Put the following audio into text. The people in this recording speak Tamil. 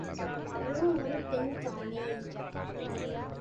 அவளும் ஒரு பெண்தானே!